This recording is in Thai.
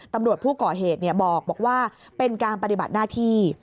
ตำรวจผู้ก่อเหตุบอกว่าเป็นการปฏิบัติหน้าที่